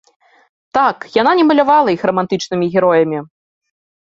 Так, яна не малявала іх рамантычнымі героямі.